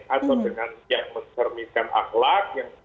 atau dengan yang mencerminkan akhlak